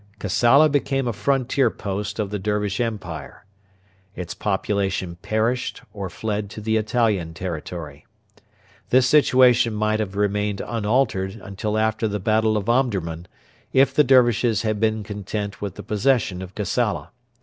Kassala became a frontier post of the Dervish Empire. Its population perished or fled to the Italian territory. This situation might have remained unaltered until after the battle of Omdurman if the Dervishes had been content with the possession of Kassala.